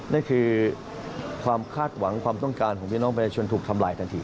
นั่นคือความคาดหวังความต้องการของพี่น้องประชาชนถูกทำลายทันที